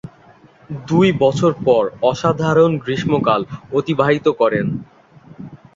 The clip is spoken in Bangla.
দুই বছর পর অসাধারণ গ্রীষ্মকাল অতিবাহিত করেন।